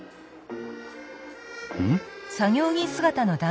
うん？